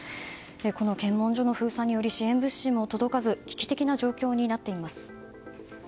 この検問所の封鎖により支援物資も届かず危機的な状況になっています。